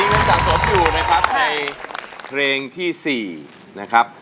เงินสะสมอยู่นะครับในเพลงที่๔นะครับ